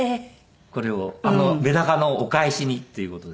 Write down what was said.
これをメダカのお返しにっていう事で。